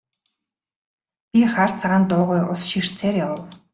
Би хар цагаан дуугүй ус ширтсээр явав.